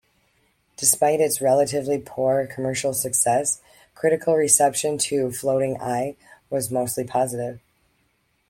Despite its relatively poor commercial success, critical reception to "Floating Eye" was mostly positive.